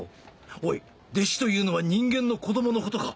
おい弟子というのは人間の子供のことか？